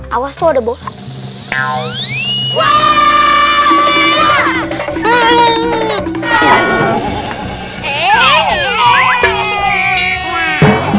awas tuh ada bongkok